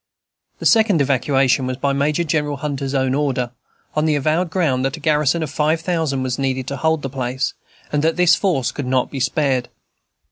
The second evacuation was by Major General Hunter's own order, on the avowed ground that a garrison of five thousand was needed to hold the place, and that this force could not be spared.